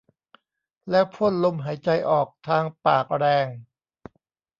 แล้วพ่นลมหายใจออกทางปากแรง